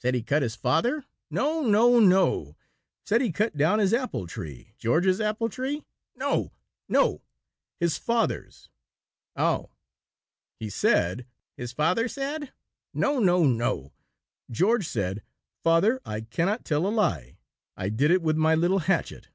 "Said he cut his father?" "No, no, no; said he cut down his apple tree." "George's apple tree?" "No, no; his father's." "Oh!" "He said " "His father said?" "No, no, no; George said, 'Father, I cannot tell a lie. I did it with my little hatchet.'